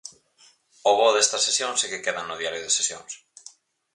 O bo destas sesións é que quedan no Diario de Sesións.